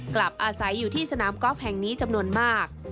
กลับอาศัยอยู่ที่สนามกอล์ฟแห่งนี้จำนวนมาก